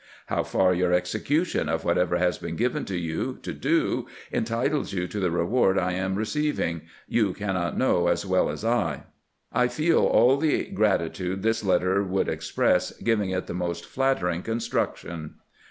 How far your execution of whatever has been given you to do entitles you to the reward I am receiving, you cannot know as well as I. I feel all the gratitude this letter would express, giv ing it the most flattering construction."